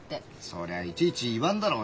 そりゃいちいち言わんだろ。